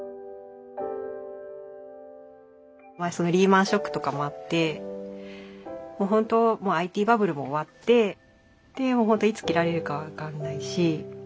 リーマンショックとかもあってもう本当ＩＴバブルも終わってでいつ切られるか分かんないし。